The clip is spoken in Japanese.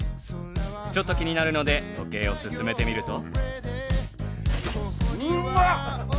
ちょっと気になるので時計を進めてみると。